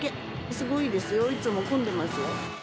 すごいですよ、いつも混んでますよ。